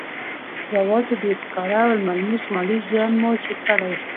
يوازې ډېر ښکاره او ملموس مالي زيان مو چې کړی